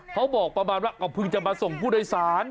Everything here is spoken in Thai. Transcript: เขาบอกประมาณว่าก็เพิ่งจะมาส่งผู้โดยสาร